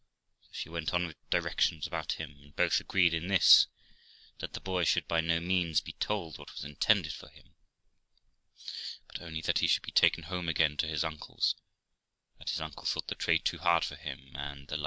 So she wrnt on with directions about him, and both agreed in this, that the boy should by no means be told what was intended for him, but only that he should be taken home again to his uncle's, that his uncle thought the trade too hard for him, and the like.